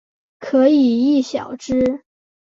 可以意晓之。